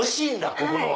ここのは。